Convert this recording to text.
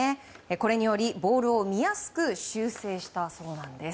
これにより、ボールを見やすく修正したそうなんです。